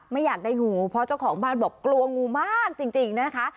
อยากได้งูเพราะเจ้าของบ้านบอกกลัวงูมากจริงนะคะ